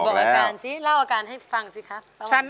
บอกอาการสิเล่าอาการให้ฟังสิครับ